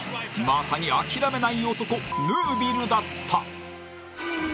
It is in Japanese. まさに諦めない男ヌービルだった。